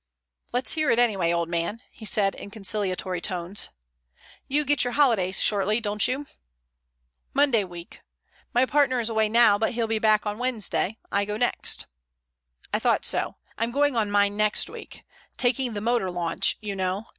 "Let's hear it anyway, old man," he said in conciliatory tones. "You get your holidays shortly, don't you?" "Monday week. My partner is away now, but he'll be back on Wednesday. I go next." "I thought so. I'm going on mine next week—taking the motor launch, you know.